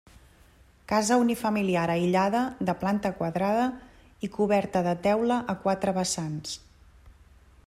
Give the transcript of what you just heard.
Casa unifamiliar aïllada de planta quadrada i coberta de teula a quatre vessants.